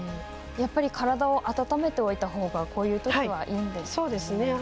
やっぱり体を温めておいたほうがこういうときは、いいんですか？